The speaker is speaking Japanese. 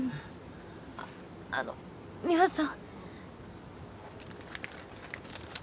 あっあの美和さん。